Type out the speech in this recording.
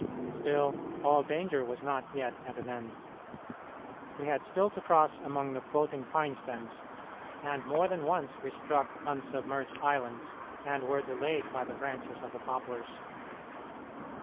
Still, all danger was not yet at an end. We had still to cross among the floating pine stems, and more than once we struck on submerged islands, and were delayed by the branches of the poplars.